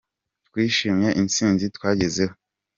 Twishimiye intsinzi twagezeho.